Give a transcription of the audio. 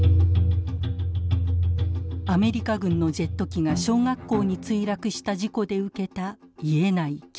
アメリカ軍のジェット機が小学校に墜落した事故で受けた癒えない傷。